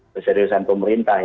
keseriusan pemerintah ya